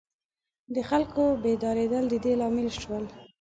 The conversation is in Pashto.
د خلکو بیدارېدل د دې لامل شول.